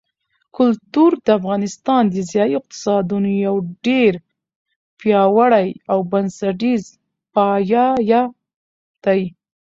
کلتور د افغانستان د ځایي اقتصادونو یو ډېر پیاوړی او بنسټیز پایایه دی.